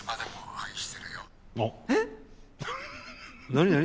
何何？